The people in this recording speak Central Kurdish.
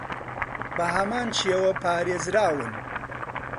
بەهەمان شێوە پارێزراون